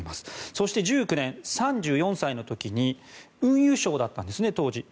そして１９年、３４歳の時に運輸相だったんですね、当時。